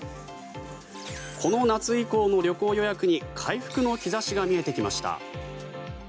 この夏以降の旅行予約に回復の兆しが見えてきました。